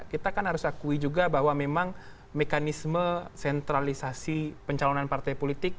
kita kan harus akui juga bahwa memang mekanisme sentralisasi pencalonan partai politik